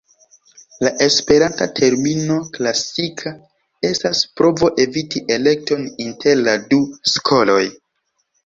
La esperanta termino "klasika" estas provo eviti elekton inter la du skoloj.